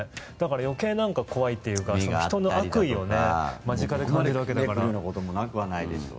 余計怖いというか、人の悪意を間近で感じるわけだから。